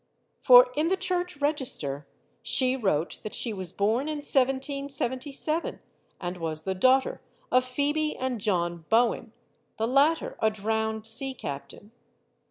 For in the church register she wrote that she was born in 1777 and was the daughter of Phoebe and John Bowen the latter a drowned sea captain.